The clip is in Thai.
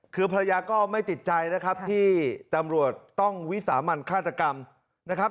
คือภรรยาก็ไม่ติดใจนะครับที่ตำรวจต้องวิสามันฆาตกรรมนะครับ